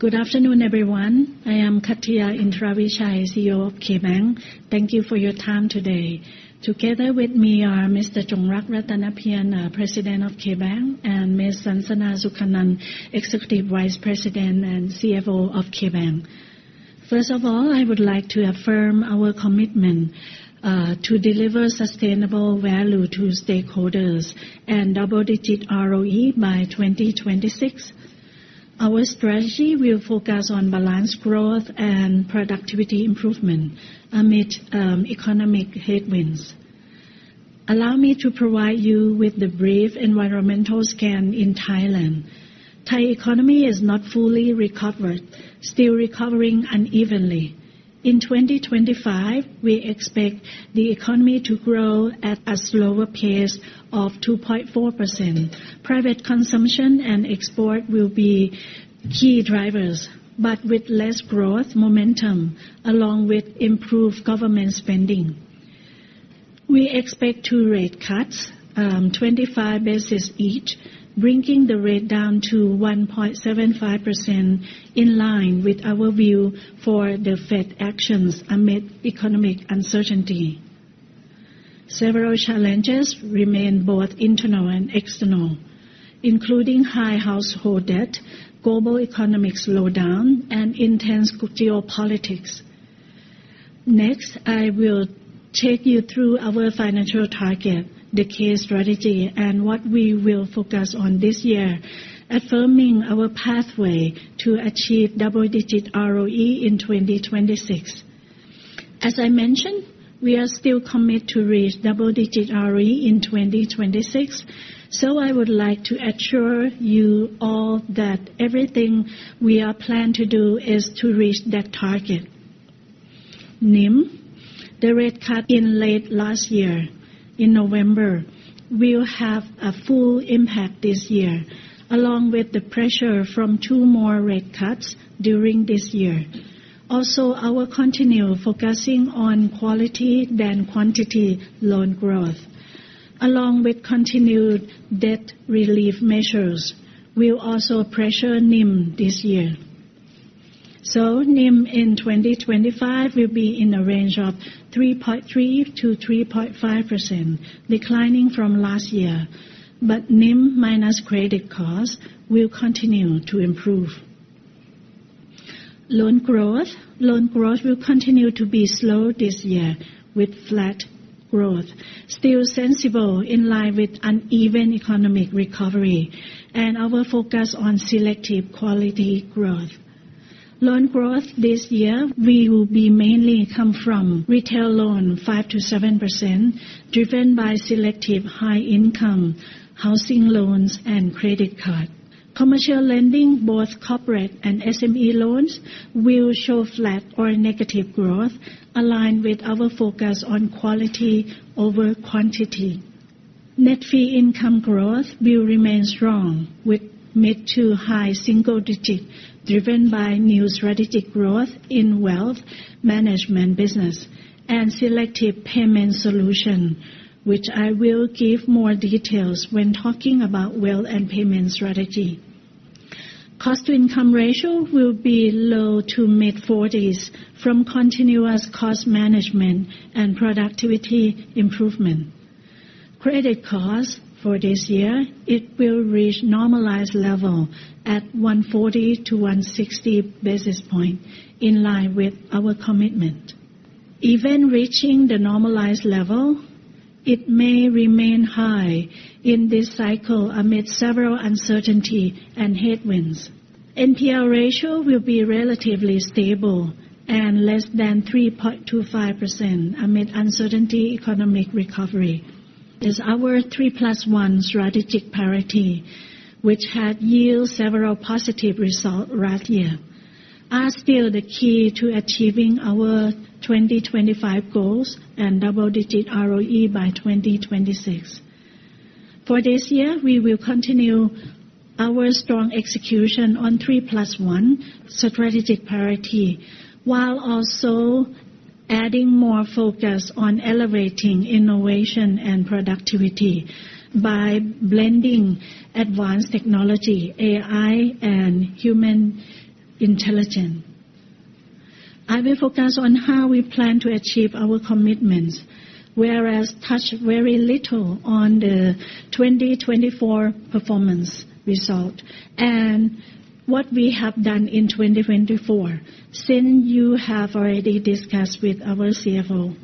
Good afternoon, everyone. I am Kattiya Indaravijaya, CEO of KBank. Thank you for your time today. Together with me are Mr. Chongrak Rattanapian, President of KBank, and Ms. Sansana Sukhanjan, Executive Vice President and CFO of KBank. First of all, I would like to affirm our commitment to deliver sustainable value to stakeholders and double-digit ROE by 2026. Our strategy will focus on balanced growth and productivity improvement amid economic headwinds. Allow me to provide you with a brief environmental scan in Thailand. Thai economy is not fully recovered, still recovering unevenly. In 2025, we expect the economy to grow at a slower pace of 2.4%. Private consumption and export will be key drivers, but with less growth momentum along with improved government spending. We expect two rate cuts, 25 basis points, bringing the rate down to 1.75% in line with our view for the Fed's actions amid economic uncertainty. Several challenges remain both internal and external, including high household debt, global economic slowdown, and intense geopolitics. Next, I will take you through our financial target, the K strategy, and what we will focus on this year, affirming our pathway to achieve double-digit ROE in 2026. As I mentioned, we are still committed to reach double-digit ROE in 2026, so I would like to assure you all that everything we are planning to do is to reach that target. NIM, the rate cut in late last year, in November, will have a full impact this year, along with the pressure from two more rate cuts during this year. Also, I will continue focusing on quality than quantity loan growth. Along with continued debt relief measures, we will also pressure NIM this year. So, NIM in 2025 will be in a range of 3.3%-3.5%, declining from last year, but NIM minus credit costs will continue to improve. Loan growth will continue to be slow this year with flat growth, still sensible in line with uneven economic recovery and our focus on selective quality growth. Loan growth this year will mainly come from retail loans, 5%-7%, driven by selective high-income housing loans and credit cards. Commercial lending, both corporate and SME loans, will show flat or negative growth, aligned with our focus on quality over quantity. Net fee income growth will remain strong, with mid to high single-digit driven by new strategic growth in wealth management business and selective payment solution, which I will give more details when talking about wealth and payment strategy. Cost-to-income ratio will be low to mid-40s from continuous cost management and productivity improvement. Credit costs for this year will reach normalized level at 140 to 160 basis points, in line with our commitment. Even reaching the normalized level, it may remain high in this cycle amid several uncertainties and headwinds. NPL ratio will be relatively stable and less than 3.25% amid uncertain economic recovery. This is our 3+1 strategic priority, which had yielded several positive results last year. They are still the key to achieving our 2025 goals and double-digit ROE by 2026. For this year, we will continue our strong execution on 3+1 strategic priority, while also adding more focus on elevating innovation and productivity by blending advanced technology, AI, and human intelligence. I will focus on how we plan to achieve our commitments, whereas I touch very little on the 2024 performance result and what we have done in 2024, since you have already discussed with our CFO.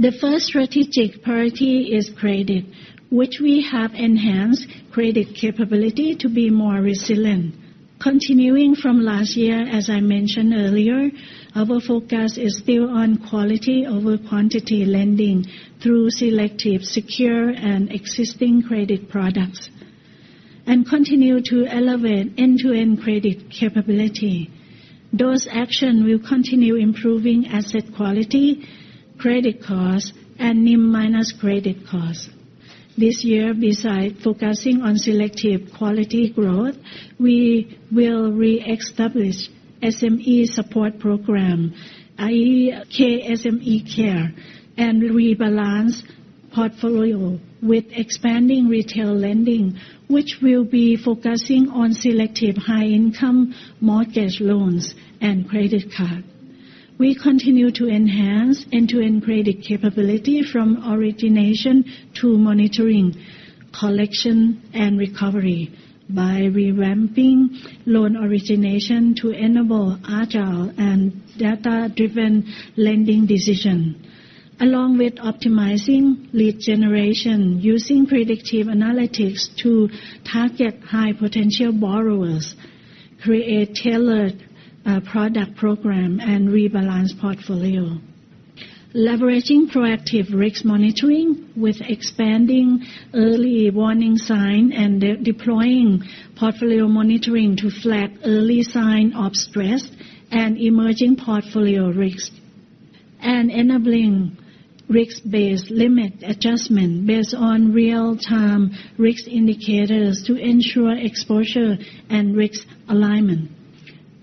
The first strategic priority is credit, which we have enhanced credit capability to be more resilient. Continuing from last year, as I mentioned earlier, our focus is still on quality over quantity lending through selective secure and existing credit products, and continue to elevate end-to-end credit capability. Those actions will continue improving asset quality, credit costs, and NIM minus credit costs. This year, besides focusing on selective quality growth, we will re-establish SME support program, i.e., KSME Care, and rebalance portfolio with expanding retail lending, which will be focusing on selective high-income mortgage loans and credit cards. We continue to enhance end-to-end credit capability from origination to monitoring, collection, and recovery by revamping loan origination to enable agile and data-driven lending decisions, along with optimizing lead generation using predictive analytics to target high-potential borrowers, create tailored product programs, and rebalance portfolio. Leveraging proactive risk monitoring with expanding early warning signs and deploying portfolio monitoring to flag early signs of stress and emerging portfolio risks, and enabling risk-based limit adjustment based on real-time risk indicators to ensure exposure and risk alignment.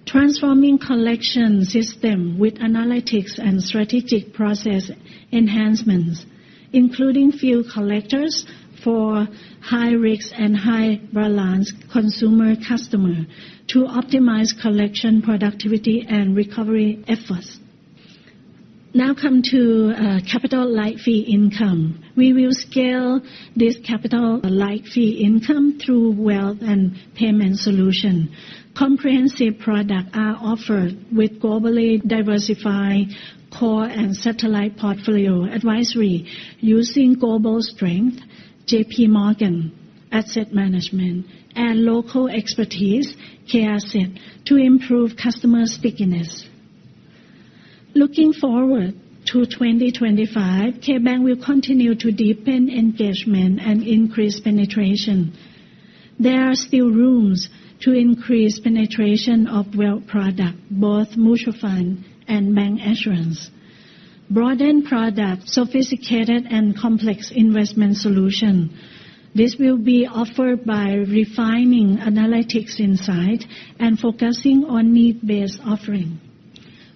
Transforming collection system with analytics and strategic process enhancements, including few collectors for high-risk and high-balance consumer customers, to optimize collection productivity and recovery efforts. Now come to capital-light fee income. We will scale this capital-light fee income through wealth and payment solutions. Comprehensive products are offered with globally diversified core and satellite portfolio advisory using global strength, J.P. Morgan Asset Management, and local expertise, KAsset, to improve customer stickiness. Looking forward to 2025, KBank will continue to deepen engagement and increase penetration. There are still rooms to increase penetration of wealth products, both mutual funds and bancassurance. Broaden products, sophisticated and complex investment solutions. This will be offered by refining analytics insight and focusing on need-based offering.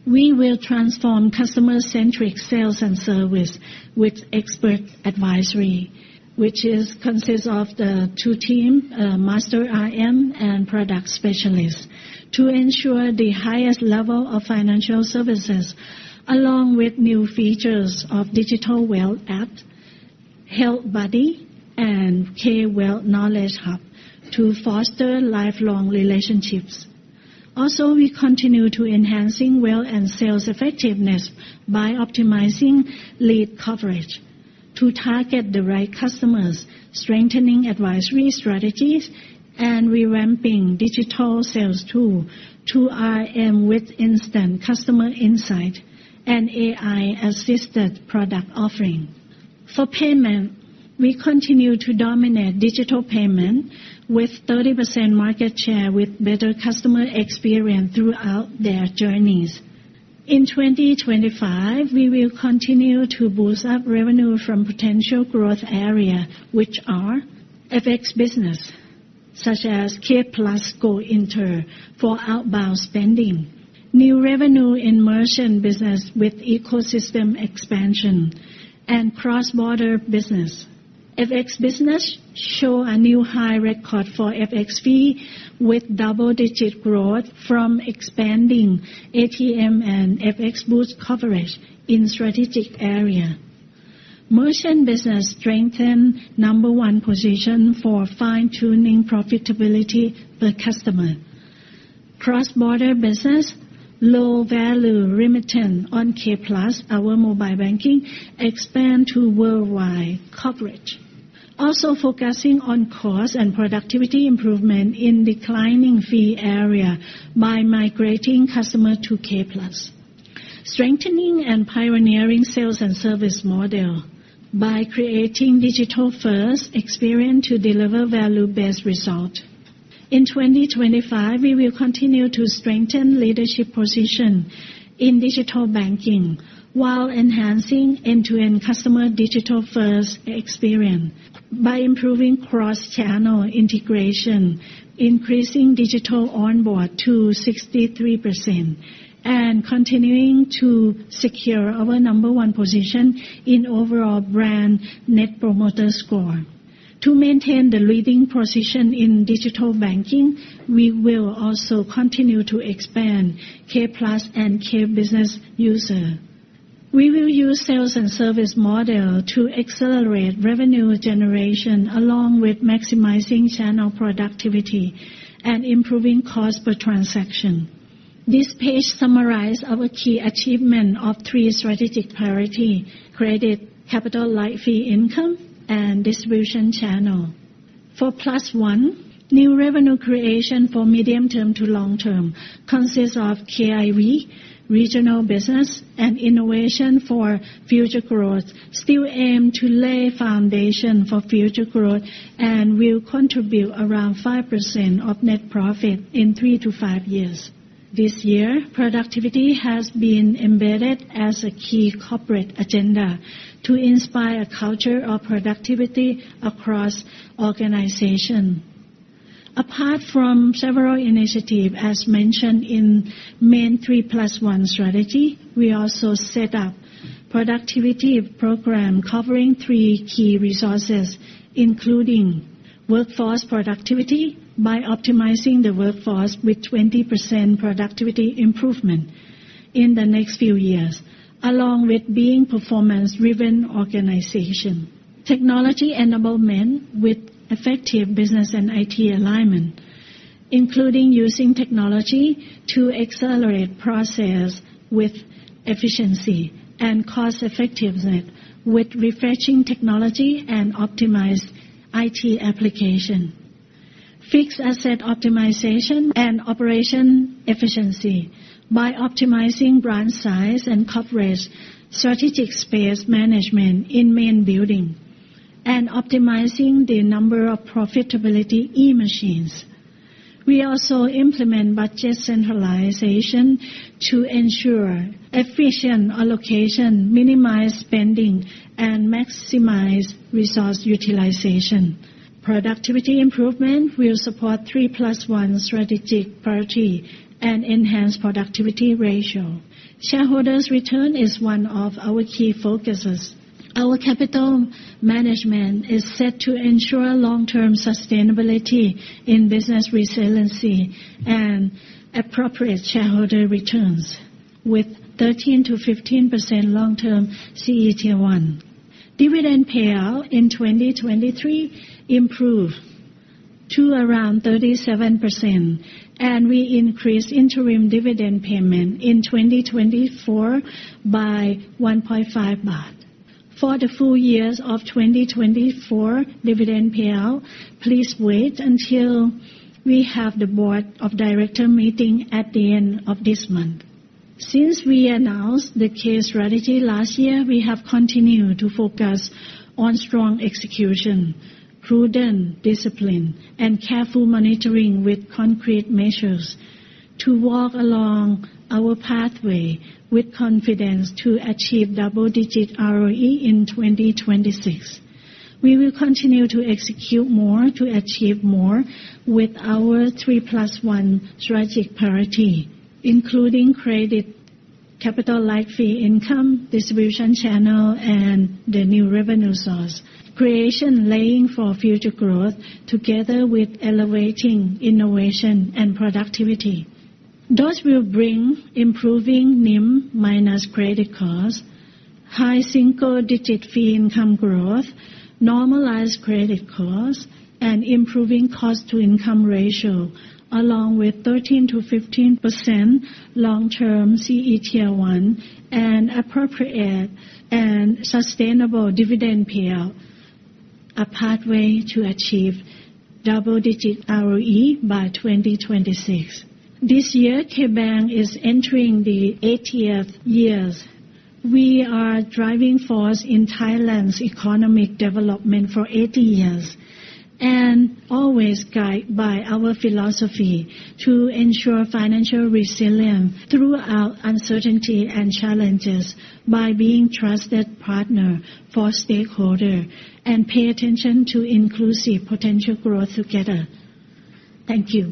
We will transform customer-centric sales and service with expert advisory, which consists of the two teams, Master IM and Product Specialist, to ensure the highest level of financial services, along with new features of digital wealth app, Health Buddy, and K Wealth Knowledge Hub to foster lifelong relationships. Also, we continue to enhance wealth and sales effectiveness by optimizing lead coverage to target the right customers, strengthening advisory strategies, and revamping digital sales tool to IM with instant customer insight and AI-assisted product offering. For payment, we continue to dominate digital payment with 30% market share with better customer experience throughout their journeys. In 2025, we will continue to boost up revenue from potential growth areas, which are FX business, such as K PLUS Go Inter for outbound spending, new revenue in merchant business with ecosystem expansion, and cross-border business. FX business showed a new high record for FX fee with double-digit growth from expanding ATM and FX booth coverage in strategic areas. Merchant business strengthened number one position for fine-tuning profitability per customer. Cross-border business, low-value remittance on K PLUS, our mobile banking, expand to worldwide coverage. Also focusing on cost and productivity improvement in declining fee area by migrating customers to K PLUS. Strengthening and pioneering sales and service model by creating digital-first experience to deliver value-based results. In 2025, we will continue to strengthen leadership position in digital banking while enhancing end-to-end customer digital-first experience by improving cross-channel integration, increasing digital onboarding to 63%, and continuing to secure our number one position in overall brand Net Promoter Score. To maintain the leading position in digital banking, we will also continue to expand K PLUS and K Business user. We will use sales and service model to accelerate revenue generation along with maximizing channel productivity and improving cost per transaction. This page summarizes our key achievement of three strategic priorities: credit, capital-light fee income, and distribution channel. For Plus One, new revenue creation for medium-term to long-term consists of KIV, regional business, and innovation for future growth. Still aim to lay foundation for future growth and will contribute around 5% of net profit in three to five years. This year, productivity has been embedded as a key corporate agenda to inspire a culture of productivity across organizations. Apart from several initiatives as mentioned in main 3+1 Strategy, we also set up productivity program covering three key resources, including workforce productivity by optimizing the workforce with 20% productivity improvement in the next few years, along with being performance-driven organization. Technology enablement with effective business and IT alignment, including using technology to accelerate process with efficiency and cost-effectiveness with refreshing technology and optimized IT application. Fixed asset optimization and operation efficiency by optimizing branch size and coverage, strategic space management in main building, and optimizing the number of profitability e-machines. We also implement budget centralization to ensure efficient allocation, minimize spending, and maximize resource utilization. Productivity improvement will support 3+1 strategic priority and enhance productivity ratio. Shareholders' return is one of our key focuses. Our capital management is set to ensure long-term sustainability in business resiliency and appropriate shareholder returns with 13%-15% long-term CET1. Dividend payout in 2023 improved to around 37%, and we increased interim dividend payment in 2024 by 1.5%. For the full year of 2024, dividend payout, please wait until we have the board of directors meeting at the end of this month. Since we announced the K Strategy last year, we have continued to focus on strong execution, prudent discipline, and careful monitoring with concrete measures to walk along our pathway with confidence to achieve double-digit ROE in 2026. We will continue to execute more to achieve more with our 3+1 Strategy, including credit, capital-light fee income, distribution channel, and the new revenue source creation laying for future growth together with elevating innovation and productivity. Those will bring improving NIM minus credit costs, high single-digit fee income growth, normalized credit costs, and improving cost-to-income ratio, along with 13%-15% long-term CET1 and appropriate and sustainable dividend payout, a pathway to achieve double-digit ROE by 2026. This year, KBank is entering the 80th year. We are driving force in Thailand's economic development for 80 years and always guided by our philosophy to ensure financial resilience throughout uncertainty and challenges by being trusted partners for stakeholders and pay attention to inclusive potential growth together. Thank you.